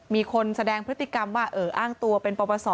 มีคนแสดงพฤติกรรมว่าอ้างตัวเป็นปปศ